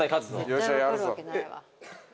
よっしゃやるぞ。